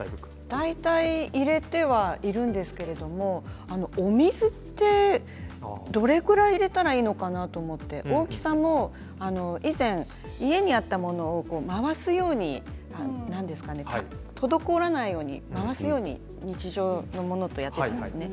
大体、入れてはいるんですけれども、お水ってどれくらい入れたらいいのかなと思って大きさも以前家にあったものを回すように、滞らないように回すように日常のものとやっていたんですね。